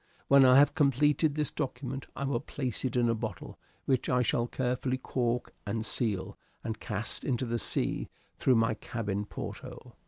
When I have completed this document I will place it in a bottle, which I shall carefully cork and seal and cast into the sea through my cabin porthole.